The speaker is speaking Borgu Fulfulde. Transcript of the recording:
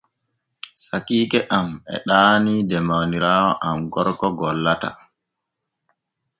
Sakiike am e ɗaanii de mawniraawo am gorko gollata.